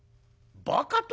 ばかと。